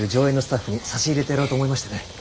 映のスタッフに差し入れてやろうと思いましてね。